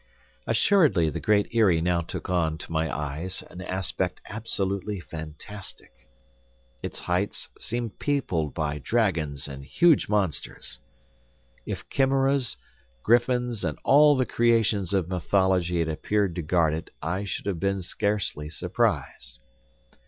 Assuredly the Great Eyrie now took on to my eyes an aspect absolutely fantastic. Its heights seemed peopled by dragons and huge monsters. If chimeras, griffins, and all the creations of mythology had appeared to guard it, I should have been scarcely surprised.